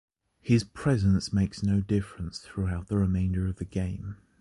His presence makes no difference throughout the remainder of the game.